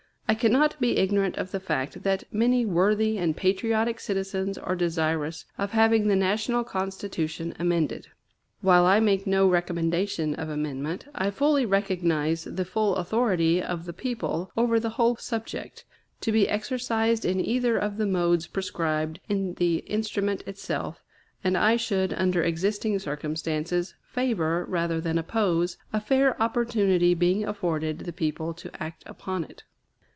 I cannot be ignorant of the fact that many worthy and patriotic citizens are desirous of having the National Constitution amended. While I make no recommendation of amendment, I fully recognize the full authority of the people over the whole subject, to be exercised in either of the modes prescribed in the instrument itself, and I should, under existing circumstances, favor, rather than oppose, a fair opportunity being afforded the people to act upon it.